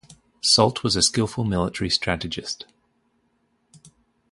Soult was a skillful military strategist.